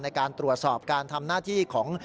ในการตรวจสอบการทำหน้าที่ของ